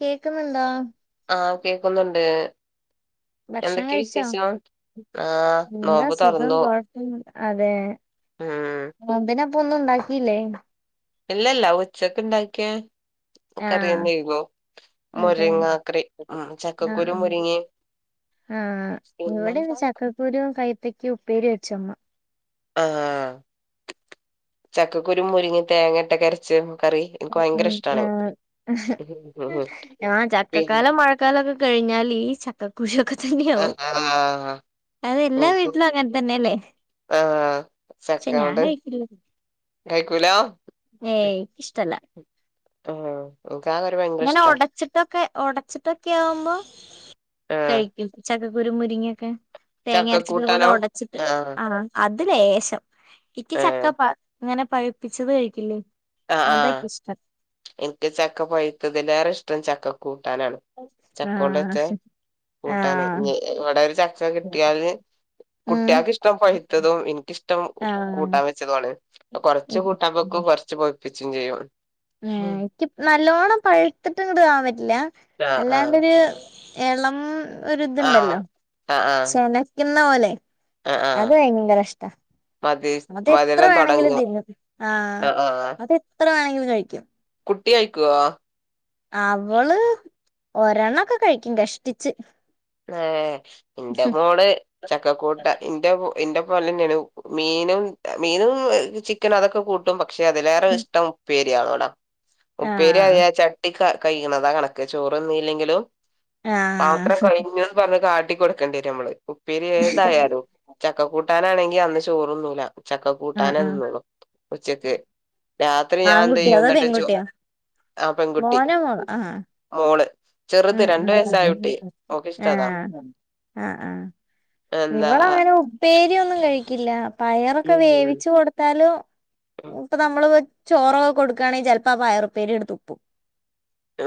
കേക്കുന്നുണ്ടോ ആഹ് കേക്കുന്നുണ്ട് ഭക്ഷണം എന്തൊക്കെയാ കഴിച്ചോ വിശേഷം ആഹ് എന്താ നോമ്പ് സുഖം തുറന്നു കൊഴപ്പം ആഹ് നോമ്പിന് അപ്പൊ ഒന്നും ഉണ്ടാക്കിയില്ലേ ഇല്ലല്ല ഉച്ചൊക്കെ ഉണ്ടാക്കിയാ ആഹ് കറിതന്നെ അതെ മുരിങ്ങക്കറി ഉ ചക്കക്കുരു മുരിങ്ങിയ ആഹ ഇവിടെന്ന് ചക്കക്കൂരുവും കൈപ്പക്ക ഉപ്പേരി അച്ചമ്മ ആഹ ചക്കക്കുരു മുരിങ്ങി തേങ്ങട്ടര ചെമ്പിൻ കറി ഉ എനിക്ക് ഭയങ്കര ഉം ആ ഇഷ്ടാണ് ആ പിന്നെ ചക്കക്കാലമായ മഴക്കാലൊക്കെഴിഞ്ഞാ ഈ ക്കുശിയൊക്കെ തന്നെയാവവും ആഹ് അതെല്ലാ വീട്ടിലും അങ്ങനെ തന്നെയല്ലേ ആഹെ പക്ഷെ ഞാൻ ചക്കകൊണ്ട് കഴിക്കില്ല കഴിക്കൂലോ ഏയ് ഇഷ്ടല്ല ആ ആ [unintelligible] ഇങ്ങനെ ഒടച്ചിട്ടൊക്കെ ഉടച്ചിട്ടൊക്കെ ആവുമ്പോ ആഹ് കഴിക്കും ചക്കക്കുരു മുരിങ്ങിയൊക്കെ തേങ്ങ അരച്ചിട്ട് ഇതുപോലെ ചക്കക്കൂട്ടാനോ ഒടച്ചിട്ട് ആഹ് ആ അത് ലേശം എനിക്ക് ചക്ക ഏഹ് പ അങ്ങനെ പഴപ്പിച്ചത് കഴിക്കില്ലേ ആ ആ അതൊക്കെ ഇഷ്ടം എനിക്ക് ചക്ക പഴുത്തതിൽേറെ ഇഷ്ടം ചക്ക കൂട്ടാനാണ് ചക്ക കൊണ്ടച്ച ആഹ് കൂട്ടാന് ആഹ് ഞ്ഞി ഇവടെ ഒരു ചക്ക കിട്ടിയല് ഉം കുട്ടിയാക്ക്ഷ്ടം പയ്ത്തതും എനിക്കിഷ്ടം ആഹ് കൂട്ടാൻ വെച്ചതു ആണ് അപ്പൊ കൊർച്ച് കൊറച്ചു കൂട്ടാന് ബെക്കും കുറച്ച് പൊയിപ്പിച്ചും ചെയ്യും ഏഹ് എനിക്ക് നല്ലോണ്ണം പഴുത്തിട്ട്ങ്ങട്ട് ആവലില്ല ആഹ് ആഹ് അല്ലാണ്ടൊരു എളം ആഹ് ഒര്ത്ണ്ടല്ലോ ആഹ് ആഹ് ചനക്കുന്ന പോലെ ആഹ് ആഹ് അത് ഭയങ്കരഷ്ട മതി അത് എത്ര മധുരം തൊടങ്ങ വേണമെങ്കിലും തിഞ്ഞും ആഹ് അത് എത്ര വേണെങ്കിലും കഴിക്കും കുട്ടി കഴിക്കോ അവള് ഒരെണ്ണ ക്കെ കഴിക്കും കഷ്ടിച്ച് ഏഹ് ഇന്റെ മോള് ചക്കക്കൂട്ടാ ഇന്റെ ഇന്റെ പോലെന്നെണ് മീനും മീനും ചിക്കനും അതൊക്കെ കൂട്ടും കൂട്ടും പക്ഷെ അതിലേറെ ഇഷ്ടം ഉപ്പേരിയാള്ളോടാ ഉപ്പേരി ആഹ് ആയാ ചട്ടി ചട്ടി കയ്യ്ണതാ കണക്ക് ചോറ്ന്നീല്ലെങ്കിലും പാത്രം ആഹ് കയ് കയ്ഞ്ഞുന്ന് പറ്ഞ് കാട്ടി കൊടുക്കേണ്ടി വരു മ്മള് ഉപ്പേരി ഏതായാലും ചക്ക കൂട്ടാനാണെങ്കി അന്ന് ചോറൊന്നുംല്ല ചക്ക കൂട്ടാന ആഹ് ആഹ് തിന്നൊള്ളു ഉച്ചക്ക് രാത്രി ഞാൻ എന്ത് ആൺകുട്ടിയോ ചെയ്യും അതോ ന്നട്ട് ചോറ് പെൺകുട്ടിയോ ആഹ് പെൺകുട്ടി മോനോ മോളോ ആഹ് മോള് ചെറുത് ഉം രണ്ട് വയസ്സായ ഉം കുട്ടി ഓക്ക് ഇഷ്ടതാ ഏഹ് ആഹ് ആഹ് എന്താ ഇവള അങ്ങനെ ഒന്നും ഉപ്പേരി ഒന്നും കഴിക്കില്ല പയറൊക്കെ ഉം വേവിച്ച് കൊടുത്താലും ഇപ്പൊ നമ്മള് ചോറൊക്കെ കൊടുക്കുകയാണെങ്കിൽ ചിലപ്പോ ആഹ് പയറു പേരിങ്ങട്ട്ത്തുപ്പും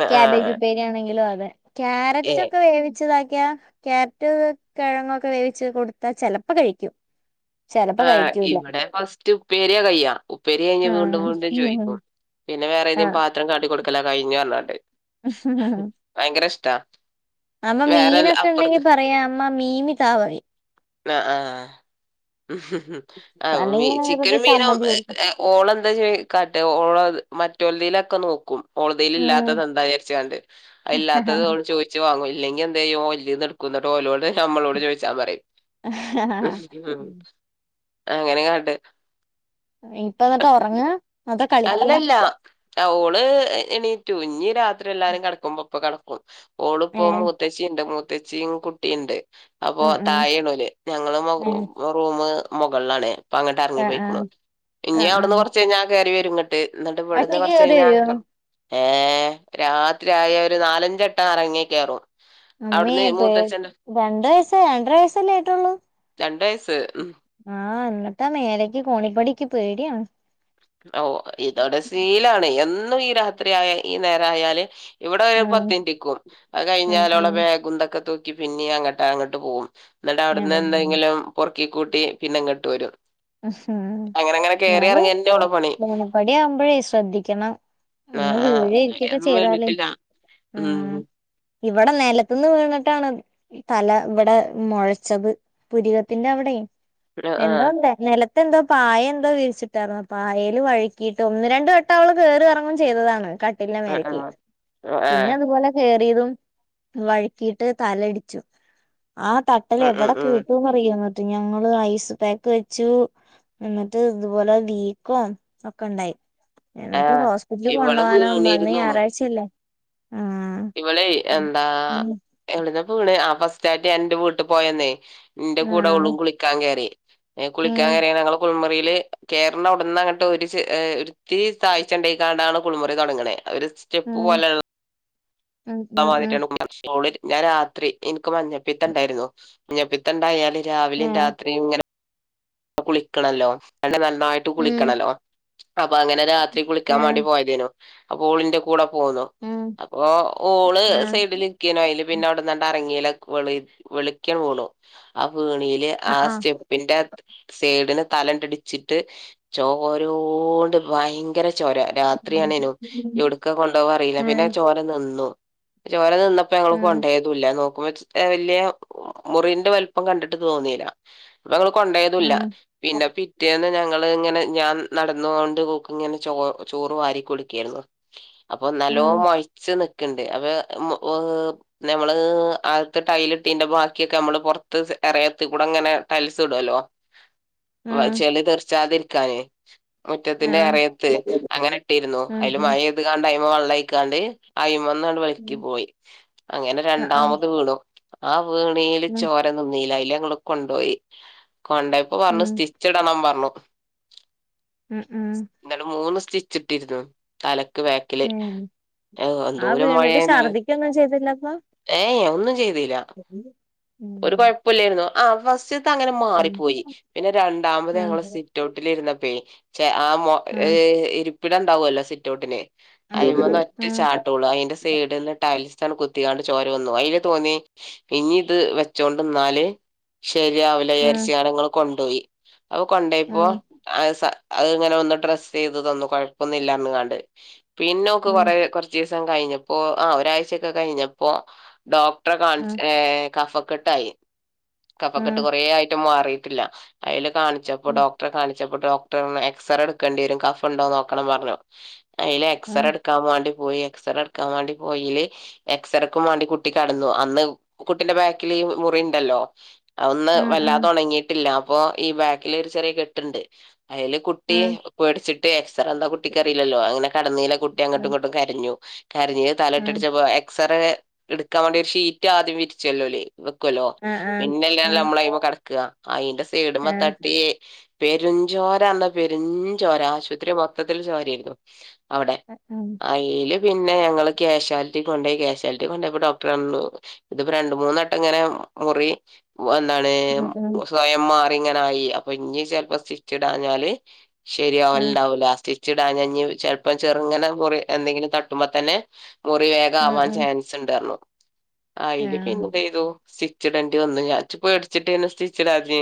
കെബേജ് ആഹ് ഉപ്പേരി ആണെങ്കിലും അതെ ഏ ക്യാരറ്റ് ഒക്കെ വേവിച്ചതാക്കിയ ക്യാരറ്റ് കിഴങ്ങൊക്കെ വേവിച്ച് കൊടുത്താ ചെലപ്പോ കഴിക്കും ചെലപ്പോ ആഹ് കഴിക്കൂല ഇവിടെ ഫസ്റ്റ് ഉപ്പേരിയ കയ്യാ ഉപ്പേരി കഴിഞ്ഞ വീണ്ടും വീണ്ടും ആഹ് ചോയ്ക്കും പിന്നെ വേറെ ഏതേം പാത്രം കാട്ടി കൊടുക്കല കഴിഞന്ന് പറഞ്ഞാണ്ട് ഉ ഭയങ്കരഷ്ടാ അമ്മ മീനൊക്കെ ഉണ്ടെങ്കി പറയാ അമ്മ മീമി താ പറിം ആഹ് ആഹ് ആഹ് മീ അല്ലെങ്കി ഞാൻ വെറുതെ ചിക്കനും മീനും ചമ്മന്തി കൊടുക്കും ഓള എന്താ ചെയ ക്കാട്ട ഓള് മറ്റോള്തിലൊക്കെ നോക്കും ഓള്തീല് ഉം ഇല്ലാത്തത് എന്താ ചാരിച്ചാണ്ട് അത് ഇല്ലാത്തത് ഓള് ചോയ്ച്ച് ചോയ്ച്ച് വാങ്ങും ഇല്ലങ്കി എന്തയ്യും ഒലത്തീന്ന് ഇട്ക്കും ന്നട്ട് ഓലോഡ് നമ്മളോട് ചോദിച്ചാന് പറയും അങ്ങനെ കട്ടല് ഇപ്പന്നട്ട് ഉറങ്ങ അതോ കളിക്ക അങ്ങനെല്ല ഓള് എണീറ്റു ഇഞ്ഞി രാത്രി എല്ലാരും കെടക്കുംമ്പോ ഒപ്പം കെടക്കോള്ളൂ ഏ ഓള്പ്പോ മൂത്തച്ചിണ്ട് മൂത്തച്ചിം കുട്ടിണ്ട് അപ്പൊ ഉം ഉം തായെണോല് ഞങ്ങള് ആ റൂമ് മുകൾലാണ് അപ്പൊ അങ്ങട്ട് അറങ്ങി ആ പോയ്ക്ക്ണു ഇനി ആ ആ അവിടുന്ന് കുറച്ച് കഴിഞ്ഞാ കെറി വരുങ്ങട്ട് ന്നിട്ട് ഇവിടുന്ന് ഒറ്റക്ക് കേറി കുറച്ചഴിഞ്ഞാൽ വരുവോ അങ്ങട്ടും ഏഹ് രാത്രിയായ ഒരു നാലഞ്ചട്ടം എറങ്ങി കേറും മ്മേ അവിടുന്ന് പേടി മൂത്തച്ഛന്റെ രണ്ടയസ്സ് രണ്ടര വയസ്സല്ലേ ആയിട്ടുള്ളൂ രണ്ട് വയസ്സ് ഉം ആഹ് ന്ന്ട്ടാ ആഹ് മേലേക്ക് കോണിപ്പടി ഇക്ക് പേടിയാണ് ഓഹ് ഇതോടെ ശീലാണ് എന്നും ഈ രാത്രി ആയ ഈ നേരായാല് ഇവിടെ ഒരു ഉം പത്തിൻറ്റിക്കും അത് ഉം കഴിഞ്ഞാ ഓളെ ഉം ബാഗും തൊക്കെ തൂക്കി പിന്നീ അങ്ങട്ടാ അങ്ങട്ട് പോകും എന്നിട്ട് അവിടുന്ന് ഉം എന്തെങ്കിലും പെറ്ക്കി കൂട്ടി പിന്നെ ഇങ്ങോട്ട് വരും അഹം അങ്ങനെ അങ്ങനെ കേറി ന്നാലു ഇറങ്ങന്നെ ഓളെ പണി കോണപ്പടി ആവുമ്പോഴേ ശ്രദ്ധിക്കണം ആ ഒന്ന് ആ വീഴ ഇരിക്കൊക്കെ ഇതുവരെയൊന്നും ചെയ്താലേ വീണിട്ടില്ല ഉം ഇവിടെ നലത്തുന്ന് വീണിട്ടാണ് തല ഇവിടെ മുഴച്ചത് പുരികത്തിന്റെ അവിടെയും ആ ആ എന്തോല്ലേ നിലത്തെ എന്തോ പായ എന്തോ വിരിച്ചിട്ടാര്ന്നു പായേൽ വഴുക്കിട്ട് ഒന്ന് രണ്ട് വട്ടം അവള് കയറി ഇറങ്ങും ചെയ്താണ് കട്ടിൽൻ്റെ ആ മേലക്കി ആ ആ പിന്നത്പോലെ കറിയതും വഴ്ക്കിയിട്ട് തലടിച്ചു ആ ത ട്ടലേ ഉം ഉം എവിടെ ഉം കേട്ടുന്ന്റിയ എന്നട്ട് ഞങ്ങള് ഐസ് പാക്ക് വെ ച്ചു എന്നിട്ട് ഇതുപോലെ വീക്കോ ഒക്കെ ഉണ്ടായി ആ എന്നിട്ട് ഹോസ്പിറ്റല് കൊണ്ടു ഇവള് പോകാനോ അന്ന് വീണിരുന്നു ഞായറാഴ്ചയല്ലേ ആഹ് ഇവളെ എന്താ എവിട്ന്നാ വീണ് ആ ഫസ്റ്റായിട്ട് എന്റെ വീട്ട പോയന്നേ ഇന്റെ ആ കൂടെ ഓള്ളും കുളിക്കാൻ കയറി കുളിക്കാൻ ഉം കയറിയ ഞങ്ങൾ കുൾമുറിയില് കേറ്ന്ന അവിടന്ന് അങ്ങോട്ട് ഒരു ത്തിരി താഴ്ച്ചണ്ടായിക്കാണ്ടാണ് കുളിമുറി തുടങ്ങണേ ഒര് സ്റ്റെപ്പ് ഉം പോലെള്ള ഉം ഉം ഉം ട്ടള ഞാൻ രാത്രി എനിക്ക് മഞ്ഞപ്പീത്തം ഉണ്ടായിരുന്നു മഞ്ഞപ്പീത്തണ്ടായാൽ രാവിലെയും ഏഹ് രാത്രിയും ഇങ്ങനെ കുളിക്കണല്ലോ അട നന്നായിട്ട് ഏഹ് കുളിക്കണല്ലോ അപ്പൊ അങ്ങനെ രാത്രി കുളിക്കാൻ വേണ്ടി പോയതിനു അപ്പൊ ഓളിന്റെ കൂടെ പോന്നു ഏഹ് അപ്പൊ ഓള് ഏഹ് സൈഡില് ക്കിനു അയില് പിന്നെ അവിടന്നിട്ട് എറങ്ങീല വള് വെളിക്കാണു ആ വീണില് ആ ആഹ് സ്റ്റെപ്പിന്റെ സേഡന് തലണ്ടടിച്ചിട്ട് ചോരോട് ഭയങ്കര ചോര രാത്രിയാണേനും ഇവിടുക്ക കൊണ്ടോവ അറിയില്ല ആഹ് പിന്നെ ഏഹ് ചോര നിന്നു ചോര നിന്ന പ്പൊങ്ങള് ഏഹ് കൊണ്ടോയത് തുല്ല നോക്കുമ്പോ വലിയ മുറിന്റെ വലപ്പം കണ്ടിട്ട് തോന്നില്ല കൊണ്ടേതുല്ല ആഹ് പിന്നെ പിറ്റേന്ന് ഞങ്ങള് ഇങ്ങനെ ഞാൻ നടന്നൊണ്ട്ക്ക് ഇങ്ങനെ ചോ ചോറ് വാരി കൊടുക്കായിരുന്നു അപ്പൊ നല്ലോ ഉം മൊയച്ച് നിക്കിണ്ട് അപ്പ നമ്മള് ആദ്യത്തെ ടൈലിട്ടീന്റെ ബാക്കിയൊക്കെ നമ്മള് പുറത്ത് ഇറയത്തി കൂടെ അങ്ങനെ ടൈൽ ടൈൽസ് ഇടുവലൂ ഉം ചെളി തീർച്ചാതിരിക്കാന് മുറ്റത്തിന്റെ ആഹ് ഇറയത്ത് അങ്ങനെ ഇട്ടിരുന്നു അതില് മഴ ഉം ക്കാണ്ട് വെള്ള അഴിക്കാണ്ട് അയിമന്ന് വയിക്കി പോയി അങ്ങനെ ആ ഉം ആഹ് ആഹ് രണ്ടാമതും വീണു ആ വീണാൽ ഉം ചോര ടുന്നീല അയില്ങ്ങള് കൊണ്ടോയി കൊണ്ടൊയപ്പൊ പറഞ്ഞു ഉം സ്റ്റിച്ച് ഇടണം പറഞ്ഞു ഉം ഉം ന്നാലും മൂന്ന് സ്റ്റിച്ചിട്ടിരുന്നു തലക്ക് ബേക്കില് ഏഹ് ആ എന്തൂരം വീണിട്ട് മൊഴയാര്ണു ഛർദിക്കൊന്നും ചെയ്തില്ലപ്പോ ഏയ് ഒന്നും ചെയ്തില്ല ഉം ഒരു ഉം കുഴപ്പില്ലായിരുന്നു ആ ഫസ്റ്റ് ത്തങ്ങനെ ഉം മാറിപ്പോയി പിന്നെ രണ്ടാമത് ഉം ഉം ഞങ്ങള് സിറ്റൗട്ടിലിരുന്ന പേ ചെ ആഹ് മൊ ഉം ഉം ഏഹ് ഇരിപ്പിടം ണ്ടാവുല്ലോ സിറ്റൗട്ടിന് ഉം ഉം ഉം ഉം ഉം ഉം ഉം ഉം അയിമന്ന് ഉം ഒറ്റ ഉം ചാട്ടം ഓള് അയിൻ്റെ സൈഡ്ന്ന് ടൈൽസ്സാണ്ട് കുത്തികാണ്ട് ചോര വന്നു അയില് തോന്നീ ഇന്നി ഇത് വെച്ചോണ്ട്ന്നാല് ശരി യാവൂലാ യാര്ച്ചിയാണ്ങ്ങൾ കൊണ്ടോയി അവ് കൊണ്ടെയപ്പോ അവ് അവ് ഇങ്ങനെ ഒന്ന് ഡ്രസ്സ്യ്തു തന്നു കൊഴപ്പൊന്നും ഇല്ലാർണ്ങ്ങാണ്ട് പിന്നെ ഓക്ക് കൊറെ കൊർ ച്ചീസം കഴിഞ്ഞപ്പോ ആഹ് ഒരാഴ്ചൊക്കെ കഴിഞ്ഞപ്പോ ഡോക്ടറെ കാൺച്ച് ഏഹ് കഫക്കെട്ടായി കഫക്കെട്ട് കൊറേ ആയിട്ടും മാറിട്ടില്ല അയില് കാണിച്ചപ്പോ ഡോക് ഡോക്ക്ടറെ കാണിച്ചപ്പോ ഡോക്ടറർണു എക്സറേ എടുക്കണ്ടെരും കഫംണ്ടോ നോക്കണം പർഞ്ഞു അയില് എക്സറേ എട് എക്സറെട്ക്കാൻ വാണ്ടി പോയി എക്സറ എട്ക്കാൻ വാണ്ടി പോയേല് എക്സറക്കും വാണ്ടി കുട്ടി കെടന്നു അന്ന് കുട്ടിന്റെ ബാക്കില് ഈ മുറിണ്ടല്ലോ അഔന്ന് വല്ലാത ഒണങ്ങിട്ടില്ല അപ്പൊ ഈ ബാക്കില് ഒരു ചെറിയ കെട്ട്ണ്ട് അയില് കുട്ടി കുട്ടി പേട്ച്ചിട്ട് എക്സറ എന്താ കുട്ടിക്ക്റീലല്ലോ അങ്ങനെ കെടന്നേല് കുട്ടി അങ്ങട്ടും ഇങ്ങട്ടും കരഞ്ഞു കരഞ്ഞ് തലയിട്ട് ഉം അടിച്ചപ്പോ എക്സ്റേ ഇട്ക്കാൻ വേണ്ടി ഒരു ഷീറ്റ് ആദ്യം വിരിച്ചല്ലോ ഓല് വെക്കുല്ലോ ഉം പിന്നെല്ലെ ഉം ഞമ്മളയ്മെല് കെട്ക്കാ അയിന്റെ സൈഡ്മ്മെ ആഹ് തട്ടീ പെരും ഞ്ചോരാർഞാ പെരും ഞ്ചോര ആശുത്രി മൊത്തത്തില് ചോരയ്രുന്നു അവ്ടെ ഉം അയില് പിന്നെ ഞങ്ങള് ക്യാഷ്വാൽറ്റി കൊണ്ടോയി ക്യാഷ്യാൽറ്റി കൊണ്ടോയപ്പോ ഡോക്ടറർഞ്ഞു ഇത്പ്പോ രണ്ട് മൂന്നെട്ടം ഇങ്ങനെ മുറി വ ന്താണ് ആഹ് ആഹ് സ്വയം മാറി ഇങ്ങനെ ആയീ അപ്പൊ ഇഞ്ഞി ചെൽപ്പം സ്റ്റിച്ചിടാഞ്ഞാല് ശരിയാവൽ ണ്ടാവൂല ലാസ്റ്റ് സ്റ്റിച്ചിടാഞ്ഞാ ഞ്ഞി ചെൽപ്പം ചെർങ്ങനെ മുറി എന്തെങ്കിലും തട്ടുമ്പോ തന്നെ മുറി വേഗ ആഹ് ആവാൻ ചാൻസ് ചാൻസ്ണ്ട് റ്ഞ്ഞു അയില് പിന്നെ ആഹ് ന്തെയ്തൂ സ്വിച്ചിടണ്ടി വന്ന് ഞാൻ ച്ച് പേട്ച്ചിട്ടയ്നു സ്റ്റിച്ചിടാഞ്ഞെ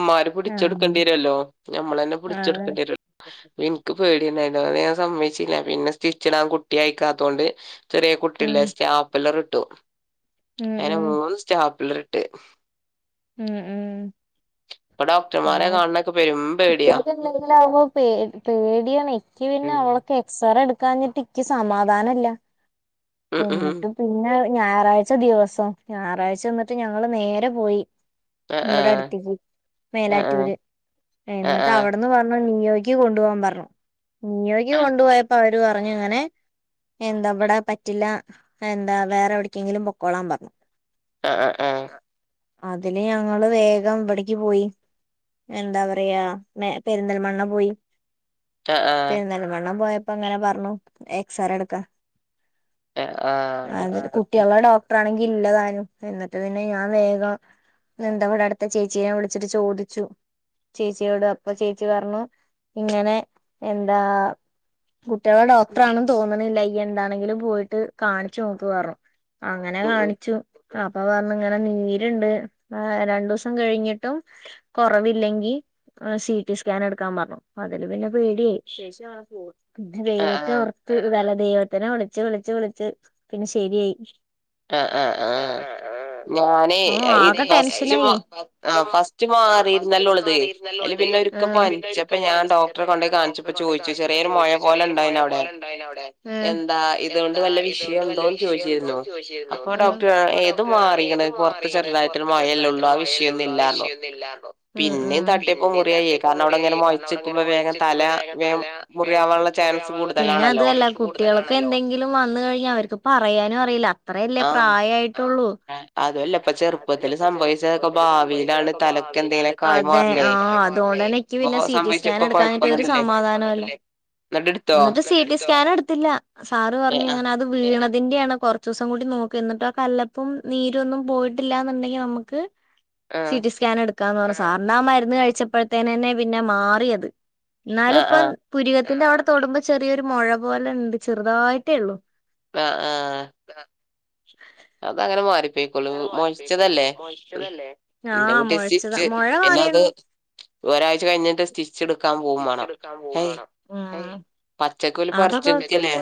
മ്മാരും ആഹ് പുട്ച്ചെട്ക്കണ്ടിരുല്ലോ നമ്മളെന്നെ ആഹ് ആഹ് പുടിച്ചെടുക്കെണ്ടിരുല്ലോ ൻക് ക്ക് പേടിണ്ടെയ്നു അത് ഞാൻ സമ്മയ്ച്ചില്ല പിന്നെ സ്റ്റിച്ചിടാൻ കുട്ടി അയ്ക്കാത്തോണ്ട് ചെറിയ കുട്ടില്ലേ ഉം സ്റ്റാപ്ല്ലർ ഇട്ടു ഉം അങ്ങനെ ഉം മൂന്ന് സ്റ്റാപ്ല്ലർ ഇട്ട് ഉം ഉം ഇപ്പൊ ഡോക്ടർമാരെ കാണൊക്കെ പെരും പേടിയാ ല്ല ല്ലാവുമ്പ പേ പേടിയാണ് ക്കി പിന്നെ ഉം അവൾക്കെ എക്സറേ എട്ക്കാഞ്ഞിട്ട് ക്കി സമാധാനല്ല [inaudible] ഉം ഉം എന്ന്ട്ട് പിന്നെ ഞായറാഴ്ച ദിവസം ഞാറാഴ്ച ന്നിട്ട് ഞങ്ങള് നേരെ പോയീ അ ആ വടെ അട്ത്ത്ക്ക് അ ആ മേലാറ്റൂര് അ ആ എന്നട്ട് അവടെന്ന് പർണു നിയോയ്ക്കി കൊണ്ടു പോവാം പർഞ്ഞു നിയോയ്ക്കി കൊണ്ടു പോയപ്പോ അവര് പർഞ്ഞു ങ്ങനെ എന്താ വിടെ പറ്റില്ല എന്താ വേറെ എവിട്ക്കെങ്കിലും പൊക്കോളാം പറ്ഞ്ഞു ആഹ് ആഹ് ആഹ് അതില് ഞങ്ങള് വേഗം വിടെക്ക് പോയി എന്താ പറയാ മെ പെരിന്തൽമണ്ണ പോയി അ ആ പെര്ന്തൽമണ്ണ പോയപ്പോ ങ്ങനെ പറ്ഞ്ഞു എക്സറ എട്ക്കാൻ അ ആ ആഹ് അക്ഷരൊക്കെ കുട്ടിളെ ഡോക്ടറാണെങ്കിൽ ഇല്ലതാനും ന്നിട്ട് പിന്നെ ഞാൻ വേഗം ന്തവിടെ അട്ത്ത ചേച്ചീനെ വിളിച്ചിട്ട് ചോദിച്ചു ചേച്ചിയോട് അപ്പൊ ചേച്ചി പറ്ഞ്ഞു ഇങ്ങനെ എന്താ കുട്ട്യാളെ ഡോക്ടറണെന്ന് തോന്നിണില്ല യ്യ് എന്താണെങ്കിലും പോയിട്ട് കാണിച്ച് നോക്ക്ന്ന് പറ്ഞ്ഞു അങ്ങനെ ഉം ഉം കാണിച്ചു അപ്പൊ പറ്ഞ്ഞു ഇങ്ങനെ നീര്ണ്ട് ആഹ് രണ്ടൂസം കഴിഞ്ഞിട്ടും കൊറവില്ലെങ്കി ആഹ് സി ടി സ്കാന് എട്ക്കാൻ പർഞ്ഞു അതില് പിന്നെ പേടിയായി ചെച്ചി നാളെ പോവാ പിന്നെ അ ആ ദൈവത്തെ ഓർത്ത് വല്ല ദൈവത്തിനെ വിളിച്ച് വിളിച്ച് വിളിച്ച് പിന്നെ ശരിയായി ആഹ് ആഹ് ആഹ് ആഹ് ഞാന് ഓഹ് അ ഇത് ആകെ ഫസ്റ്റ് മാ ടെൻഷനായി ഫസ്റ്റ് ആഹ് മ ഫസ്റ്റ് ആഹ് ഫസ്റ്റ് മാറിരുന്നല്ലോ ഓളത്. അയ്ല് പിന്നെ ഒരിക്കെ പനിച്ചപ്പ പ്പ ഞാൻ പനിച്ചപ്പോ ഡോക്ടറെ ഞാൻ കൊണ്ടോയി ഡോക്റെ കാണിച്ചപ്പോ കൊണ്ടു പോയി ചോയിച്ചു കാണിച്ചപ്പോ ചെറിയൊരു മൊഴ ചോദിച്ചു പോലെ ചെറിയ മുഴ ഇണ്ടായിന് അവിടെ പോലെ ഉണ്ടായിന അവിടെ? എന്താ ഇതുകൊണ്ട് എന്താ വല്ല വിഷയം ഇതുകൊണ്ട് വല്ല ഉണ്ടോന്ന് വിഷയം ചോദിച്ചിരുന്നു? ഉണ്ടോന്ന് ചോദിച്ചിരുന്നു അപ്പൊ ഡോക്ടർ ഏ ഇത് മാറിയിരിക്കണ്പുറത്ത് ചെറുതായിട്ടേ പ്പ ചെറുതായിട്ടുള്ള മുഴയല്ലേ ഉള്ളു ആ വിഷയം ഒന്നു ഇല്ല പിന്നേം തട്ടിയപ്പോ പിന്നെ മുറിയായേ തട്ടിയപ്പോ കാരണം മുറ അവിടെ ഇങ്ങനെ മൊഴച്ചിക്കുമ്പോ വേഗം തല വേം മുറിയാവാനുള്ള ചാൻസ് പിന്നെ അതു കൂടുതലാണല്ലോ അല്ല കുട്ടികൾക്ക് എന്തെങ്കിലും വന്ന് കഴിഞ്ഞാൽ അവർക്ക് പറയാനും അറിയില്ല. അത്രയല്ലേ പ്രായമായിട്ടുള്ളൂ. ആ അതു അല്ല ഇപ്പ ചെറുപ്പത്തില് സംഭവിച്ചതൊക്കെ ചെറുപ്പപ്പത്തില് ഭാവിയിലാണ് സംഭവിച്ചതൊക്കെ തലക്കെന്തെങ്കിലൊക്കെ ആയി ഭാവിയിലാണ് മാറണേ എനിക്ക് ഇപ്പൊ പിന്നെ സിറ്റി സംഭവിച്ച സ്കാൻ ഇപ്പൊ എടുക്കാഞ്ഞിട്ട് ഒരു കൊഴപ്പൊന്നുണ്ടല്ലേ സമാധാനം ഇല്ല. എന്നിട്ട് സി ടി സ്കാൻ എടുത്തില്ല. സാറ് ഏ പറഞ്ഞു ആ ഇങ്ങനെ അത് വീണതിന്റെയാണ്. കുറച്ച് ദിവസം കൂടി നോക്കി എന്നിട്ട് ആ കല്ലപ്പം നീരൊന്നും പോയിട്ടില്ല എന്നുണ്ടെങ്ക ഇനി നമ്മക്ക് ആ സി റ്റി സ്കാൻ ക്കാന്ന് പറഞ്ഞു. സാറിന് ആ മരുന്ന് കഴിച്ചപ്പോഴത്തേനന്നെ പിന്നെ മാറിയത്. എന്നാല് ആ ഇപ്പം ആ പുരികത്തിന്റെ അവിടെ തൊടുമ്പോ ചെറിയൊരു മുഴ പോലെ ഉണ്ട്. ചെറുതായിട്ടേ ഉള്ളു. ആ ആ അത്ങ്ങനെ മാറി ക്കള് അങ്ങനെ മാറ്റിക്കോളും മൊഴച്ചതല്ലേ മൊയ്ച്ചതല്ലേ എന്റെ ആഹ് കുട്ടി മുഴച്ചതാ സ്റ്റിച് മൊഴ പിന്നെ അത് മാറിയണു ഒരാഴ്ച കഴിഞ്ഞിട്ട് സ്റ്റിച്ച് എടുക്കാൻ പോവുകയും വേണം. പിച്ചെടുക്കാൻ പോവും ഹേയ്- വേണം ഉം പച്ചക്കോല് പറിച്ചെടുക്കല്ലേ? അതൊക്കെ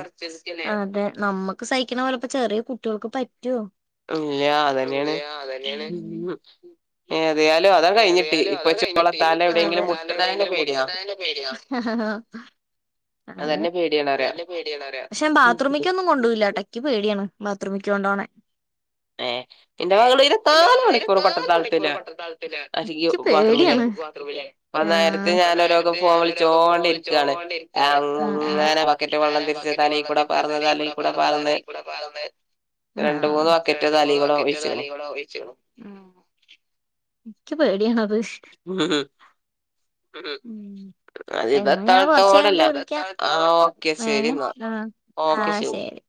അതെ നമ്മുക്ക് സഹിക്കണ പോലെ ഇപ്പോ ചെറിയ കുട്ടികൾക്ക് പറ്റുവോ? ഇല്ല അത് തന്നെയാണ്. ഇല്ല അതന്നെയാണ് ഏ ഏതായാലും അതാ കഴിഞ്ഞിട്ടി ഏതായാലും അതാ ഇപ്പൊച്ച ഓളെ കഴിഞ്ഞിട്ട് തല ഇപ്പൊ എവിടെയെങ്കിലും മുട്ടണെ തന്നെ പേടിയാകും. ഹ ഹ ഹ ആ പേടിയാണ് പറയാ അതെ പക്ഷെ ബാത്റൂമിക്കൊന്നും കൊണ്ടുല്ലട്ടെ എനിക്ക് പേടിയാണ് ബാത്റൂമിക്ക് കൊണ്ടോണേ. [unintelligible] മകള് ഇരുപത്തിനാല് മണിക്കൂർ കൊട്ടത്താളത്തില അല്ലെങ്കിൽ എച്ച് ബാത്റൂമിലായി പേടിയാണ്. ഇപ്പൊ നേരത്തെ ഞാനോരോക്കെ നേരത്തെ ഫോൺ ഞാനൊരാൾക്ക് ഫോൻ വിളിച്ചോണ്ടിരിക്കാണ് വിളിച്ചോണ്ടി അങ്ങനെ ബക്കറ്റ് വെള്ളം ഞ തിരിച്ച് ബക്കറ്റ് വെള്ളം തലീക്കൂടെ തിരിച്ച് പാർന്ന് തലേ കൂടെ തലീക്കൂടെ പർന്ന് പാർന്ന് തലേ കൂടെ പർന്ന് രണ്ട് മൂന്ന് ആഹ് ബക്കറ്റ് ഉം തലീകൂടെ ഒഴിച്ച്ക്ക്ണ് എനിക്ക് പേടിയാണത്. ഉം ഉം അത് ഇത് എന്നാ ഞാൻ എത്ത മട്ടം കൊറച്ച് കഴിഞ്ഞിട്ട് വിളിക്കാം ഏ ന്നാ ആ ആ ശരി.